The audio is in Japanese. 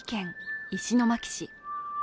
宮城県石巻市。